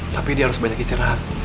tapi dia harus banyak istirahat